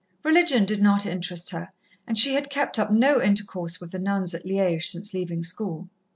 Religion did not interest her, and she had kept up no intercourse with the nuns at Liège since leaving school.